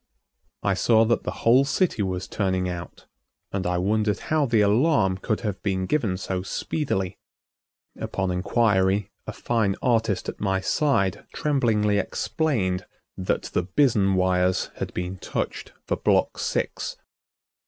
I saw that the whole city was turning out, and I wondered how the alarm could have been given so speedily. Upon inquiry, a fine artist at my side tremblingly explained that the Bizen wires had been touched for block six.